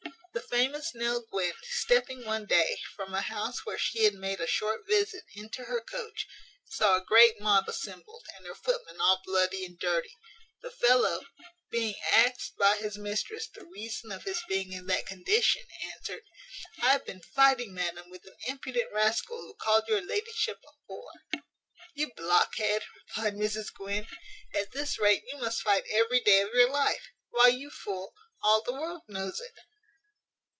"The famous Nell Gwynn, stepping one day, from a house where she had made a short visit, into her coach, saw a great mob assembled, and her footman all bloody and dirty; the fellow, being asked by his mistress the reason of his being in that condition, answered, `I have been fighting, madam, with an impudent rascal who called your ladyship a wh re.' `You blockhead,' replied Mrs Gwynn, `at this rate you must fight every day of your life; why, you fool, all the world knows it.'